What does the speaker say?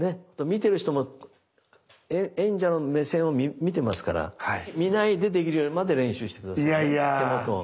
見てる人も演者の目線を見てますから見ないでできるようになるまで練習して下さい手元を。